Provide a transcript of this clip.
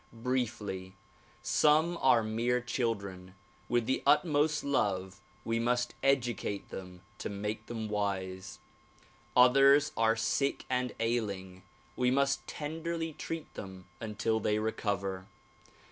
Briefly; some are mere children; Math the utmost love we must educate them to make them wise. Others are sick and ailing ; we must tenderly treat them until they recover.